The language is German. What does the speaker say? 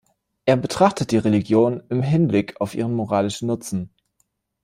Er betrachtet die Religion in Hinblick auf ihren moralischen Nutzen.